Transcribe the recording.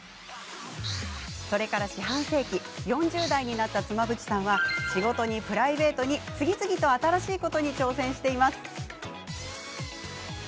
それから四半世紀４０代になった妻夫木さんは仕事にプライベートに次々と新しいことに挑戦しています。